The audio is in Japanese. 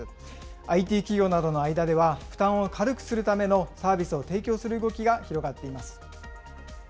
ＩＴ企業などの間では、負担を軽くするためのサービスを提供する動きが広がっています。